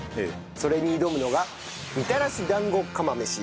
それに挑むのがみたらし団子釜飯。